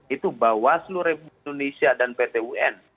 itu bawaslu republik indonesia dan pt un